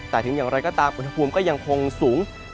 แต่ถึงอย่างไรก็ตามอุณหภูมิก็ยังคงสูง